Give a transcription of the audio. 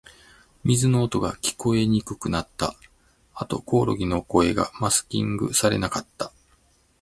水の音が、聞こえにくくなった。あと、コオロギの声がマスキングされなかった。